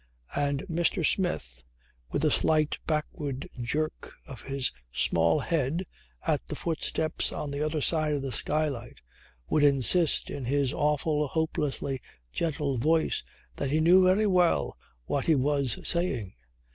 And Mr. Smith with a slight backward jerk of his small head at the footsteps on the other side of the skylight would insist in his awful, hopelessly gentle voice that he knew very well what he was saying.